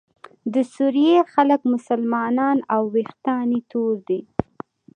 د سوریې خلک مسلمانان او ویښتان یې تور دي.